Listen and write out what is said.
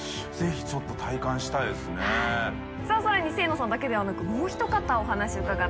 さらに清野さんだけではなくもうひと方お話伺っています。